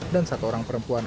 dan satu orang perempuan